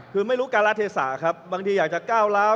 คือไม่รู้การะเทศาครับบางทีอยากจะก้าวร้าว